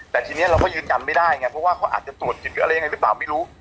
แต่ทีนี้เราก็ยืนยันไม่ได้ไงเพราะว่าเขาอาจจะตรวจจิตหรืออะไรยังไงหรือเปล่าไม่รู้